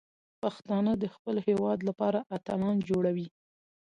پښتانه د خپل هیواد لپاره اتلان جوړوي.